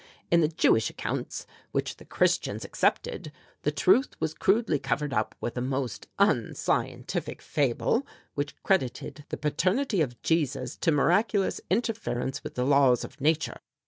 In the Jewish accounts, which the Christians accepted, the truth was crudely covered up with a most unscientific fable, which credited the paternity of Jesus to miraculous interference with the laws of nature.